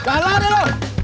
kalah deh lu